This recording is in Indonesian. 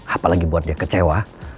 apalagi buat dia kecewa